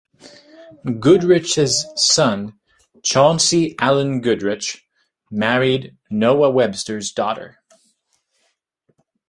Goodrich's son, Chauncey Allen Goodrich, married Noah Webster's daughter.